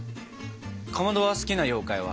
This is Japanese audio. かまどは好きな妖怪は？